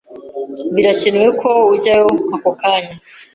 Birakenewe ko ujyayo ako kanya.